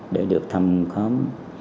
để được thăm khám